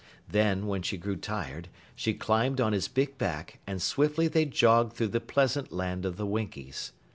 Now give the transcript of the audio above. Then, when she grew tired, she climbed on his big back, and swiftly they jogged through the pleasant land of the Winkies.